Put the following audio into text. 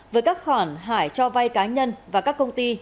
với các khoản hải cho vay cá nhân và các công ty